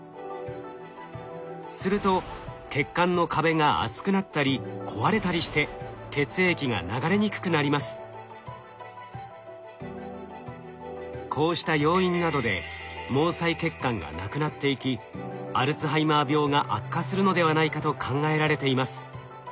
すると血管の壁が厚くなったり壊れたりしてこうした要因などで毛細血管が無くなっていきアルツハイマー病が悪化するのではないかと考えられています。